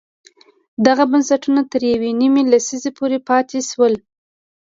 دغه بنسټونه تر یوې نیمې لسیزې پورې پاتې شول.